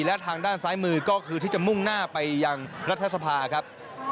และทางด้านซ้ายมือก็คือที่จะมุ่งหน้าไปยังรัฐสภาครับ